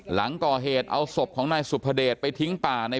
หลังก่อเหตุเอาศพของนายสุภเดชไปทิ้งป่าใน